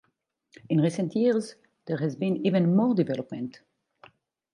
In recent years there has been even more development.